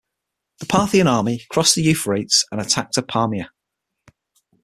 The Parthian army crossed the Euphrates and attacked Apamea.